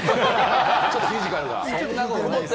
ちょっとフィジカルが。